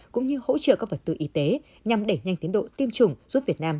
cũng như hỗ trợ các vật tư y tế nhằm đẩy nhanh tiến độ tiêm chủng giúp việt nam